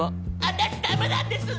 私駄目なんです。